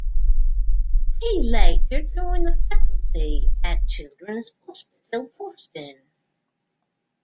He later joined the faculty at Children's Hospital Boston.